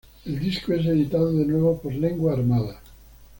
El disco es editado de nuevo por Lengua Armada.